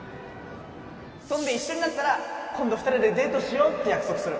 そんで一緒になったら今度２人でデートしようって約束する